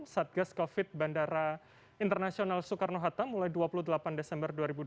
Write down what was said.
satgas covid bandara internasional soekarno hatta mulai dua puluh delapan desember dua ribu dua puluh